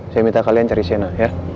saya minta kalian cari sena ya